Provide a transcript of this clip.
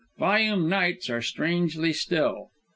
"Fayûm nights are strangely still.